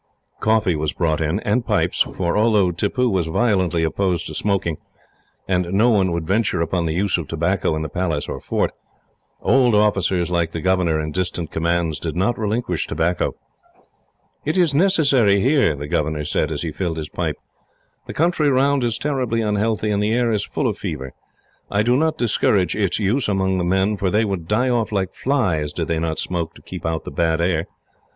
Coffee was brought in, and pipes, for although Tippoo was violently opposed to smoking, and no one would venture upon the use of tobacco in the Palace or fort, old officers like the governor, in distant commands, did not relinquish tobacco. "It is necessary here," the governor said, as he filled his pipe. "The country round is terribly unhealthy, and the air is full of fever. I do not discourage its use among the men, for they would die off like flies, did they not smoke to keep out the bad air.